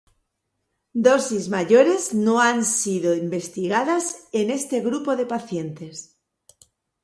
Dosis mayores no han sido investigadas en este grupo de pacientes.